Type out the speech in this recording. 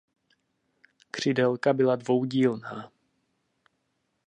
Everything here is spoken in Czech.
Křidélka byla dvoudílná.